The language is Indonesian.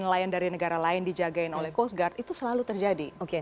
dan layan dari negara lain dijagain oleh coast guard itu selalu terjadi